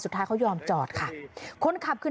สุดท้ายเขายอมจอดค่ะคนขับคือ